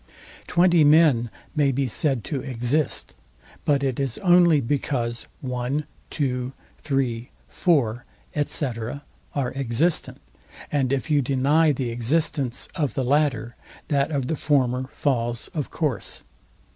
Twenty men may be said to exist; but it is only because one, two, three, four, &c. are existent, and if you deny the existence of the latter, that of the former falls of course.